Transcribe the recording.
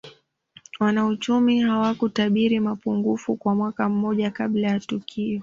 Wanauchumi hawakutabiri mapungufu kwa mwaka mmoja kabla ya tukio